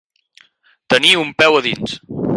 Tenir un peu a dins.